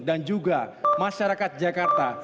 dan juga masyarakat jakarta